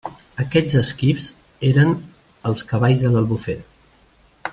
Aquests esquifs eren els cavalls de l'Albufera.